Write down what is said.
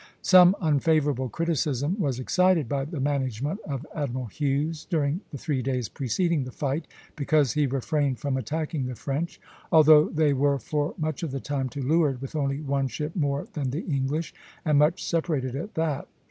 Some unfavorable criticism was excited by the management of Admiral Hughes during the three days preceding the fight, because he refrained from attacking the French, although they were for much of the time to leeward with only one ship more than the English, and much separated at that.